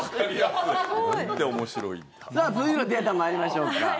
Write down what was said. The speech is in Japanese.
さあ、続いてのデータ参りましょうか。